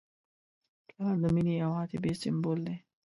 پلار د مینې او عاطفې سمبول دی.